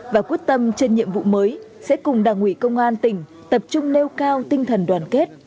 và quyết tâm trên nhiệm vụ mới sẽ cùng đảng ủy công an tỉnh tập trung nêu cao tinh thần đoàn kết